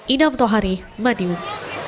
inam tohari madiun